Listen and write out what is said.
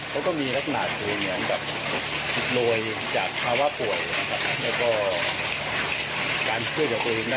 เขาก็มีลักหนาสูงเหมือนกับหลวยจากภาวะป่วยนะครับ